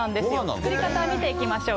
作り方を見ていきましょう。